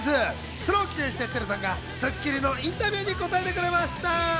それを記念してＴＥＲＵさんが『スッキリ』のインタビューに答えてくれました。